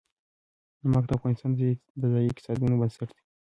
نمک د افغانستان د ځایي اقتصادونو بنسټ دی.